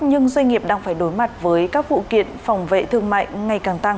nhưng doanh nghiệp đang phải đối mặt với các vụ kiện phòng vệ thương mại ngày càng tăng